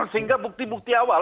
sehingga bukti bukti awal